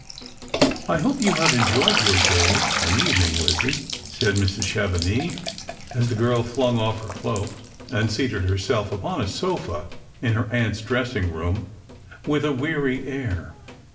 " I hope you have enjoyed your day and evening, Lizzie," said Mrs. Chevenix as the girl flung off her cloak, and seated herself upon a sofa in her aunt's dressing room, with a weary air.